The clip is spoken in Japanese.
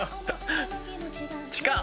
近っ！